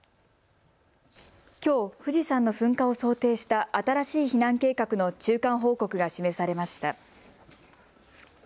きょう富士山の噴火を想定した新しい避難計画の中間報告が示されました。